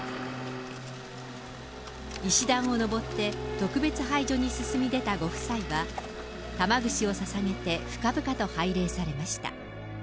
石段を上って、特別拝所に進み出たご夫妻は、玉串をささげて深々と拝礼されました。